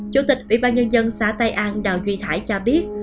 chủ tịch ubnd xã tây an đào duy thải cho biết